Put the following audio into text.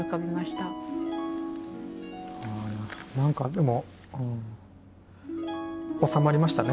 何かでも収まりましたね。